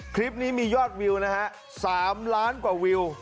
คลิปนี้มียอดวิวนะฮะ๓ล้านกว่าวิว